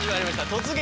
「突撃！